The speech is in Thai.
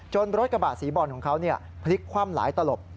รถกระบะสีบอลของเขาพลิกคว่ำหลายตลบ